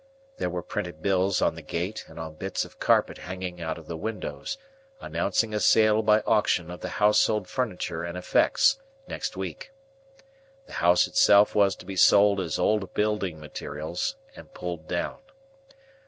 There were printed bills on the gate and on bits of carpet hanging out of the windows, announcing a sale by auction of the Household Furniture and Effects, next week. The House itself was to be sold as old building materials, and pulled down.